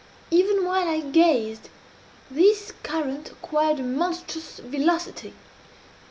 Even while I gazed, this current acquired a monstrous velocity.